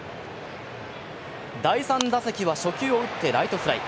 第３打席は初球を打ってライトフライ。